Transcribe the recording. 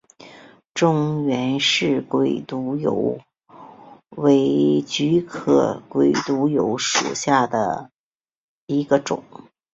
中原氏鬼督邮为菊科鬼督邮属下的一个种。